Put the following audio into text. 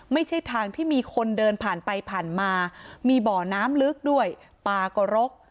ไม่ใช่ทางที่มีคนเดินผ่านไปผ่านมามีบ่อน้ำลึกด้วยป่าก็รก